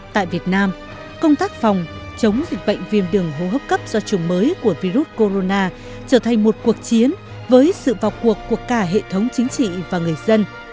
tại việt nam công tác phòng chống dịch bệnh viêm đường hô hấp cấp do chủng mới của virus corona trở thành một cuộc chiến với sự vào cuộc của cả hệ thống chính trị và người dân